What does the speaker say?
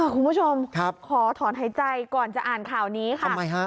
คุณผู้ชมขอถอนหายใจก่อนจะอ่านข่าวนี้ค่ะ